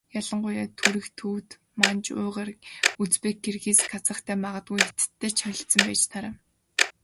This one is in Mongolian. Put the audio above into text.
Ялангуяа Түрэг, Төвөд, Манж, Уйгар, Узбек, Киргиз, Казахтай магадгүй Хятадтай ч холилдсон байж таараа.